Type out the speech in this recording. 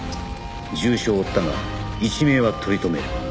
重傷を負ったが一命は取り留める